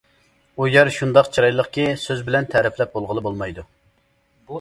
ئۇ يەر شۇنداق چىرايلىقكى، سۆز بىلەن تەرىپلەپ بولغىلى بولمايدۇ.